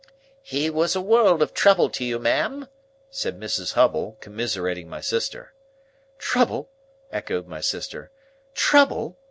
"He was a world of trouble to you, ma'am," said Mrs. Hubble, commiserating my sister. "Trouble?" echoed my sister; "trouble?"